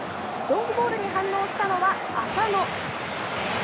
ロングボールに反応したのは浅野。